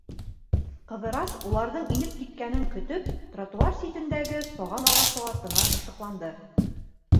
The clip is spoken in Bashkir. Ҡыҙырас, уларҙың инеп киткәнен көтөп, тротуар ситендәге саған ағасы артына ышыҡланды.